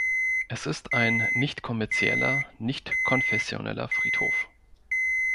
Es ist ein nicht-kommerzieller, nicht konfessioneller Friedhof.